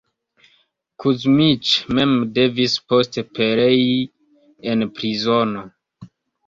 Kuzmiĉ mem devis poste perei en prizono.